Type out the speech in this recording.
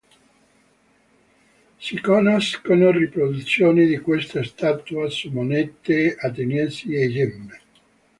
Si conoscono riproduzioni di questa statua su monete ateniesi e gemme.